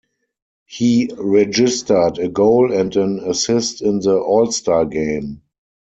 He registered a goal and an assist in the All-Star game.